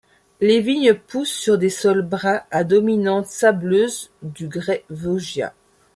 Les vignes poussent sur des sols bruns à dominante sableuse de grès vosgien.